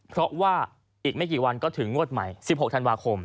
เพราะว่าอีกไม่กี่วันก็ถึงงวดใหม่๑๖ธันวาคม